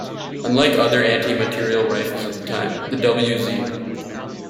Unlike other anti-materiel rifles of the time, the wz.